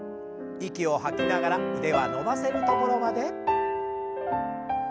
息を吐きながら腕は伸ばせるところまで。